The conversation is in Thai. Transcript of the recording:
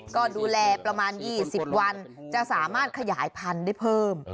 ก็ดูแลประมาณ๒๐วันจะสามารถขยายพันธุ์ได้เพิ่ม